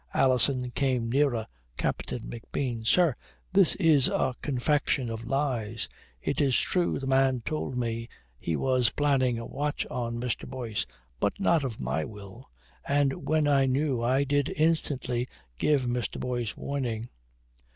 Alison came nearer Captain McBean. "Sir, this is a confection of lies. It is true the man told me he was planning a watch on Mr. Boyce. But not of my will. And when I knew I did instantly give Mr. Boyce warning."